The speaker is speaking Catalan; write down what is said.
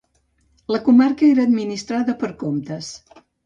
La comarca era administrada per comtes.